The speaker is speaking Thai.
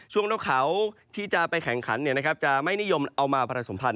ช่วงนกขาวที่จะไปแข่งขันจะไม่นิยมเอามาประสมภัณฑ์